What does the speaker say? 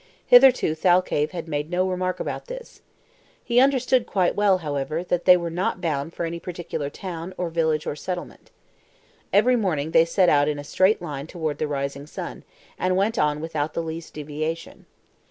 Hitherto Thalcave had made no remark about this. He understood quite well, however, that they were not bound for any particular town, or village, or settlement. Every morning they set out in a straight line toward the rising sun, and went on without the least deviation.